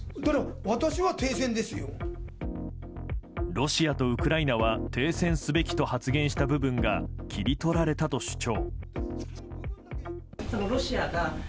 ロシアとウクライナは停戦すべきと発言した部分が切り取られたと主張。